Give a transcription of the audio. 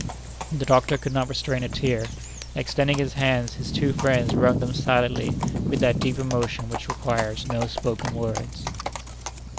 The doctor could not restrain a tear, and extending his hands his two friends wrung them silently with that deep emotion which requires no spoken words.